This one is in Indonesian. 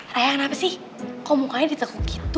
rayang kenapa sih kok mukanya diteguk gitu